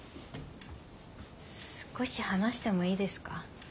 少し話してもいいですか？